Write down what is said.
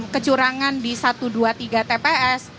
kecurangan di satu dua tiga tps